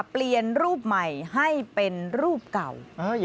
เปลี่ยนรูปใหม่ให้เป็นรูปเก่า